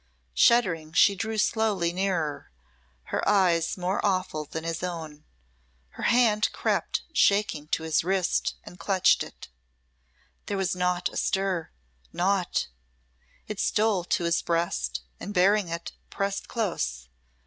Shuddering, she drew slowly nearer, her eyes more awful than his own. Her hand crept shaking to his wrist and clutched it. There was naught astir naught! It stole to his breast, and baring it, pressed close.